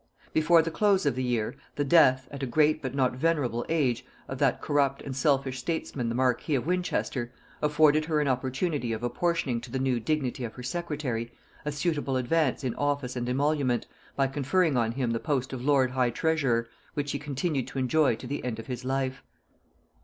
Before the close of the year, the death, at a great but not venerable age, of that corrupt and selfish statesman the marquis of Winchester, afforded her an opportunity of apportioning to the new dignity of her secretary a suitable advance in office and emolument, by conferring on him the post of lord high treasurer, which he continued to enjoy to the end of his life.